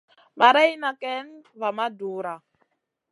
Marayna kayn va ma dura.